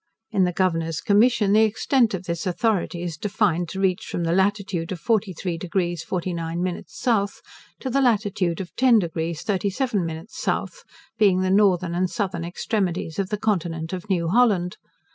In the Governor's commission, the extent of this authority is defined to reach from the latitude of 43 deg 49 min south, to the latitude of 10 deg 37 min south, being the northern and southern extremities of the continent of New Holland.